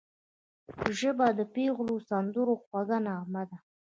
ژبه د پېغلو د سندرو خوږه نغمه ده